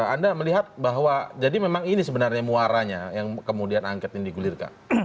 anda melihat bahwa jadi memang ini sebenarnya muaranya yang kemudian angket ini digulirkan